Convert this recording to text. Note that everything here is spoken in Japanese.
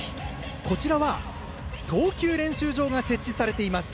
こちらは投球練習場が設置されています。